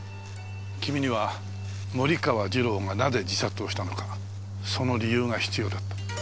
君には森川次郎がなぜ自殺をしたのかその理由が必要だった。